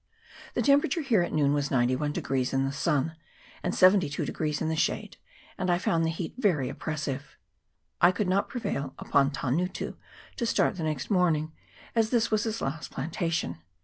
The temperature here at noon was 91 in the sun and 72 in the shade, and I found the heat very oppressive. I could not prevail upon Tangutu to start the next morning, as this was his last plantation.